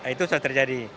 itu sudah terjadi